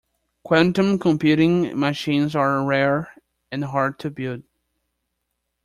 Quantum computing machines are rare and hard to build.